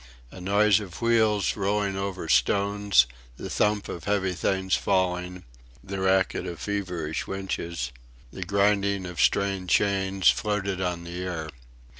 A noise of wheels rolling over stones, the thump of heavy things falling, the racket of feverish winches, the grinding of strained chains, floated on the air.